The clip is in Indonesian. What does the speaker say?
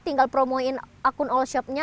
tinggal promoin akun olshopnya